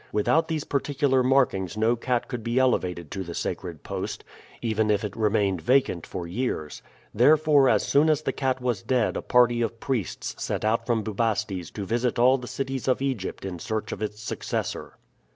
Without these particular markings no cat could be elevated to the sacred post, even if it remained vacant for years; therefore as soon as the cat was dead a party of priests set out from Bubastes to visit all the cities of Egypt in search of its successor.